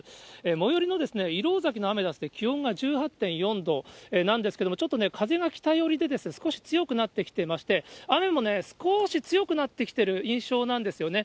最寄りの石廊崎のアメダスで気温が１８．４度なんですけれども、なんですけれども、ちょっと風が北寄りで、少し強くなってきていまして、雨も少し強くなってきている印象なんですよね。